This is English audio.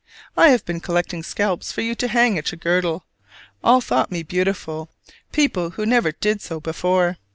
I have been collecting scalps for you to hang at your girdle. All thought me beautiful: people who never did so before.